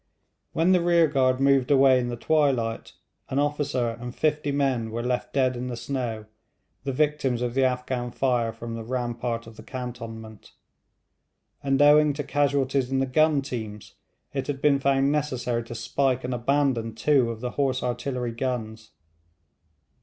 When the rear guard moved away in the twilight, an officer and fifty men were left dead in the snow, the victims of the Afghan fire from the rampart of the cantonment; and owing to casualties in the gun teams it had been found necessary to spike and abandon two of the horse artillery guns.